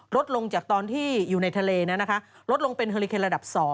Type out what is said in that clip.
ลดลงจากตอนที่อยู่ในทะเลลดลงเป็นเฮลิเคนระดับ๒